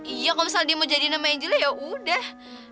iya kalau misalnya dia mau jadi nama angela ya udah